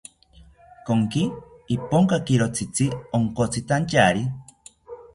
Konki Iponkakiro tzitzi onkotzitantyari